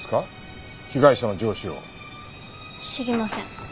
知りません。